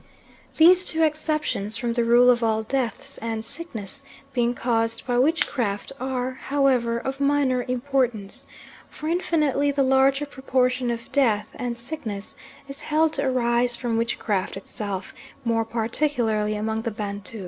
These two exceptions from the rule of all deaths and sickness being caused by witchcraft are, however, of minor importance, for infinitely the larger proportion of death and sickness is held to arise from witchcraft itself, more particularly among the Bantu.